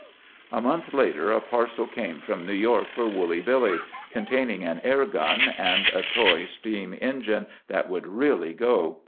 A month later, a parcel came from New York for Woolly Billy, containing an air gun, and a toy steam engine that would really go.